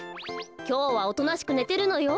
きょうはおとなしくねてるのよ。